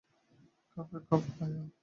খাপে-খাপ, ভায়া!